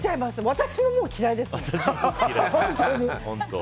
私ももう嫌いですもん。